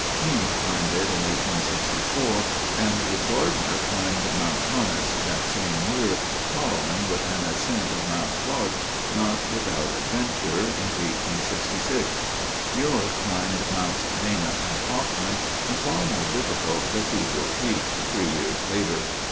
King climbed it in 1864 and with Gardiner climbed Mount Conness that same year, following with an ascent of Mount Clark, not without adventure, in 1866. Muir climbed Mounts Dana and Hoffmann, and far more difficult Cathedral Peak, three years later.